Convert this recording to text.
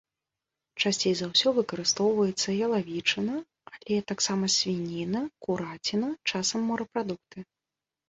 Часцей за ўсё выкарыстоўваецца ялавічына, але таксама свініна, кураціна, часам морапрадукты.